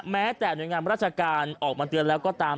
แม้แต่หน่วยงานราชการออกมาเตือนแล้วก็ตาม